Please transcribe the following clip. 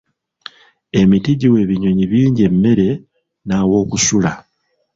Emiti giwa ebinyonyi bingi emmere n'awokusula.